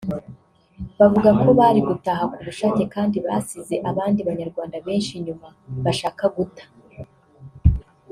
bavuga ko bari gutaha ku bushake kandi basize abandi Banyarwanda benshi inyuma bashaka guta